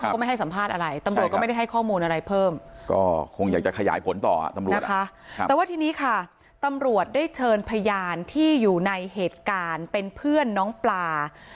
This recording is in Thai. เขาไม่ให้สัมภาษณ์อะไร